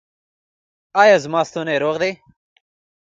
ایا زما ستونی روغ دی؟